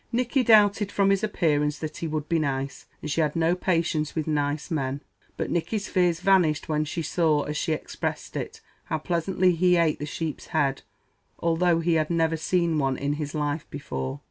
Nicky doubted, from his appearance, that he would be nice, and she had no patience with nice men; but Nicky's fears vanished when she saw, as she expressed it, "how pleasantly he ate the sheep's head, although he had never seen one in his life before."